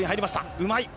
うまい。